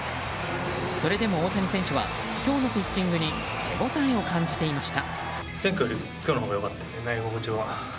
それでも大谷選手は今日のピッチングに手応えを感じていました。